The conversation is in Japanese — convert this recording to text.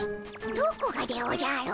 どこがでおじゃる。